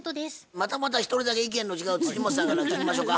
またまた一人だけ意見の違う本さんから聞きましょか。